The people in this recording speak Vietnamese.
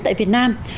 tại việt nam